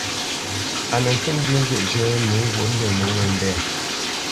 A nə kə́ njyə́ ŋgyə̂ʼ zhyə́nə̄ nǒ ŋgwǒʼmbî mǒmə́mbɛ̂.